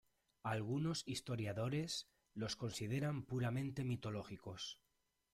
Algunos historiadores los consideran puramente mitológicos.